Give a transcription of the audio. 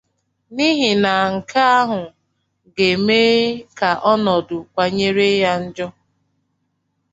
n'ihi na nke ahụ ga-eme ka ọnọdụ kawanyere ya njọ.